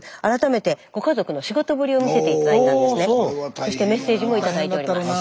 そしてメッセージも頂いております。